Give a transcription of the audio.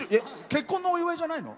結婚のお祝いじゃないの？